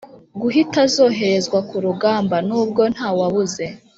guhita zoherezwa ku rugamba. nubwo ntawabuze